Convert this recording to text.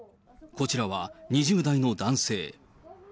こちらは、２０代の男性。